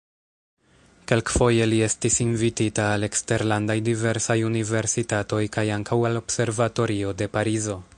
Kelkfoje li estis invitita al eksterlandaj diversaj universitatoj kaj ankaŭ al observatorio de Parizo.